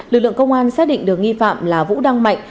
lực lượng công an xác định được nghi phạm là vũ đăng mạnh